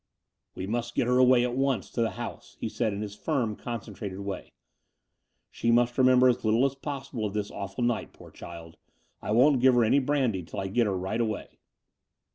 "We must get her away at once up to the house," he said in his firm, concentrated way. '*She must remember as little as possible of this awful night, poor child. I won't give her any brandy till I get her right away."